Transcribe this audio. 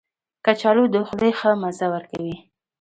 کچالو د خولې ښه مزه ورکوي